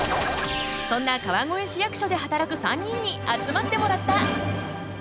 そんな川越市役所で働く３人に集まってもらった。